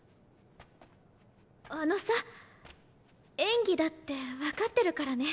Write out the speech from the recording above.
あのさ演技だって分かってるからね。